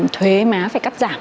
thuế má phải cắt giảm